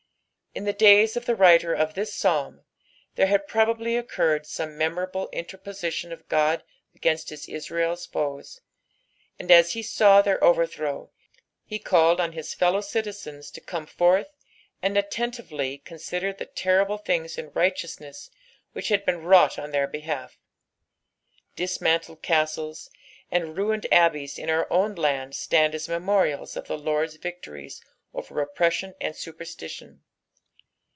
In the da^s of the writer of this Psalm, there had probably occurred some memnrabla interposition of God against his Israel's foes \ and as he saw thdr overthrow, he called on his fellow citizens to come forth and attentively consider the terrible things in righteousness which had been wrought on their behalf. Dismantled castles and ruined abbeys in our own land stand as memorials of the Lord's victories over oppression and superstition.